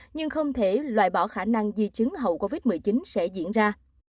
nhưng không thể loại bỏ khả năng di chứng hậu covid một mươi chín sẽ diễn ra